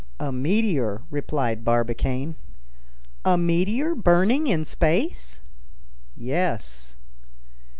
"A meteor," replied Barbicane. "A meteor burning in space?" "Yes."